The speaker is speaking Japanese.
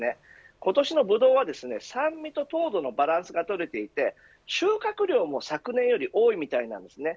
今年のブドウは、酸味と糖度のバランスがとれていて収穫量も昨年より多いみたいなんです。